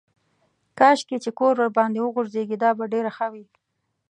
کاشکې چې کور ورباندې وغورځېږي دا به ډېره ښه وي.